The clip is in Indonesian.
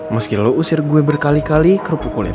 meski lo usir kue berkali kali kerupuk kulit